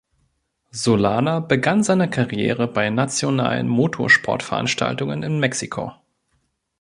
Solana begann seine Karriere bei nationalen Motorsportveranstaltungen in Mexiko.